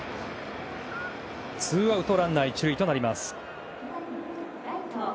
ツーアウトランナー、１塁となります。